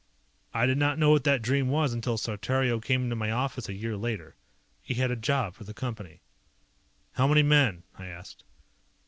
I did not know what that dream was until Saltario came into my office a year later. He had a job for the Company. "How many men?" I asked.